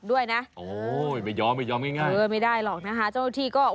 ไวน์ออก